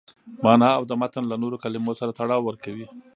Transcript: مانا او د متن له نورو کلمو سره تړاو ورکوي.